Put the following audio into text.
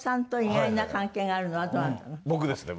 僕ですね